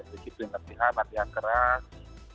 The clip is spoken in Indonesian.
disiplin latihan latihan keras